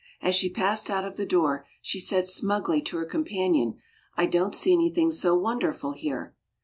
As she passed out of the door she said smugly to her companion "I don't see anything so wonderful here."